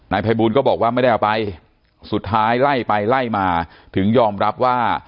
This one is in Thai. ภัยบูลก็บอกว่าไม่ได้เอาไปสุดท้ายไล่ไปไล่มาถึงยอมรับว่า